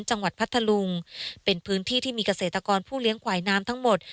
พัทธลุงเป็นพื้นที่ที่มีเกษตรกรผู้เลี้ยงควายน้ำทั้งหมด